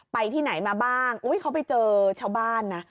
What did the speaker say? ไปที่ไหนมาบ้างอุ้ยเขาไปเจอชาวบ้านนะ